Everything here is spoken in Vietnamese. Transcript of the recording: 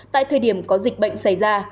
tại thời điểm có dịch bệnh xảy ra